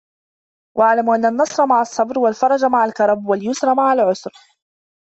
وَاعْلَمْ أَنَّ النَّصْرَ مَعَ الصَّبْرِ ، وَالْفَرَجَ مَعَ الْكَرْبِ ، وَالْيُسْرَ مَعَ الْعُسْرِ